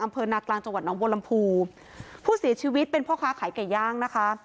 อำเภอนากลางจังหวัดน้องบัวลำพูผู้เสียชีวิตเป็นพ่อค้าขายไก่ย่างนะคะ